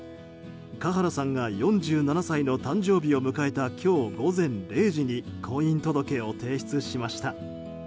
華原さんが４７歳の誕生日を迎えた今日午前０時に婚姻届を提出しました。